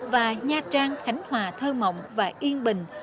và nha trang khánh hòa thơ mộng và yên bình